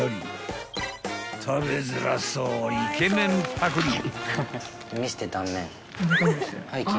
［食べづらそうイケメンぱくり］